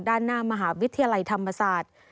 ด้านหน้ามหาวิทยาลัยธรรมศาสตร์